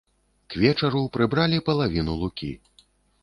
К вечару прыбралі палавіну лукі.